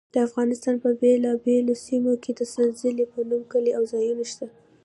د افغانستان په بېلابېلو سیمو کې د سنځلې په نوم کلي او ځایونه شته.